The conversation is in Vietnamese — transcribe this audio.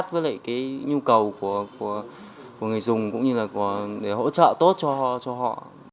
với lại cái nhu cầu của người dùng cũng như là để hỗ trợ tốt cho họ